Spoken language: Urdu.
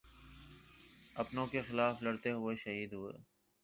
اپنوں کیخلاف لڑتے ہوئے شہید ہوئے